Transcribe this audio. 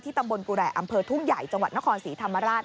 ตำบลกุระอำเภอทุ่งใหญ่จังหวัดนครศรีธรรมราช